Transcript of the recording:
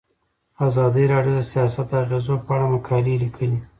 ازادي راډیو د سیاست د اغیزو په اړه مقالو لیکلي.